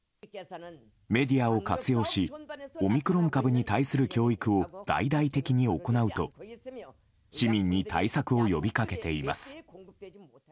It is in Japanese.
メディアを活用しオミクロン株に対する教育を大々的に行うと市民に対策を呼びかけています。